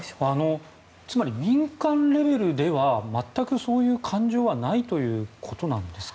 つまり民間レベルでは全くそういう感情はないということなんですか？